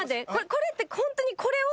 これってホントにこれを。